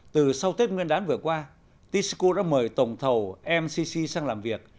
từ sau tết nguyên đán vừa qua tisco đã mời tổng thầu mcc sang làm việc